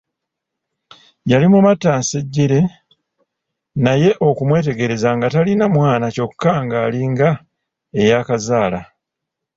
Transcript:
Yali mu mattansejjere naye okumwetegereza nga talina mwana kyokka ng'alinga eyaakazaala.